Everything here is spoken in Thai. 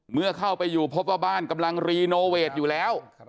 เมื่อเข้าไปอยู่พบว่าบ้านกำลังรีโนเวทอยู่แล้ว